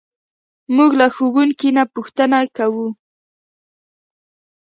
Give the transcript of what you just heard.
موږ له ښوونکي نه پوښتنې کوو.